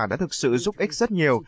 đã thực sự giúp ích rất nhiều